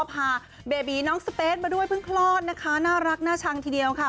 พาเบบีน้องสเปสมาด้วยเพิ่งคลอดนะคะน่ารักน่าชังทีเดียวค่ะ